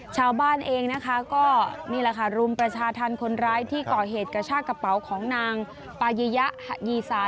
ชาวบ้านเองนะคะก็นี่แหละค่ะรุมประชาธรรมคนร้ายที่ก่อเหตุกระชากระเป๋าของนางปายิยะยีซา